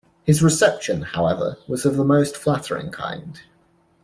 His reception, however, was of the most flattering kind.